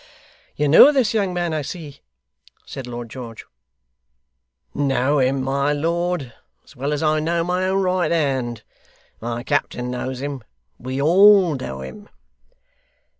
'You know this young man, I see,' said Lord George. 'Know him, my lord! as well as I know my own right hand. My captain knows him. We all know him.